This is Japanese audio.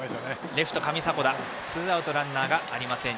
レフト、上迫田つかんでツーアウトランナーありません。